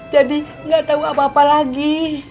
jadi nggak tahu apa apa lagi